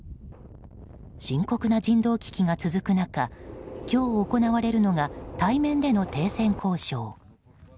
深刻な人道危機が続く中今日行われるのが対面での停戦交渉。